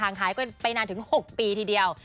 ขายกันไปนานถึง๖ปีทีเดียว